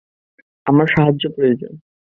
আমার সাহায্য প্রয়োজন।